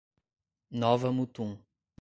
Nova Mutum